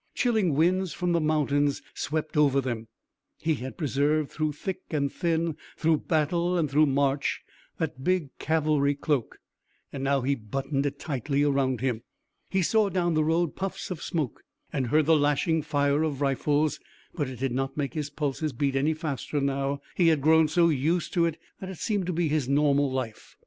Chilling winds from the mountains swept over them. He had preserved through thick and thin, through battle and through march that big cavalry cloak, and now he buttoned it tightly around him. He saw down the road puffs of smoke and heard the lashing fire of rifles, but it did not make his pulses beat any faster now. He had grown so used to it that it seemed to be his normal life.